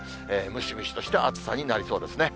ムシムシとした暑さになりそうですね。